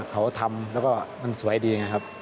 เขาทำแล้วก็มันสวยดีอย่างนี้ครับ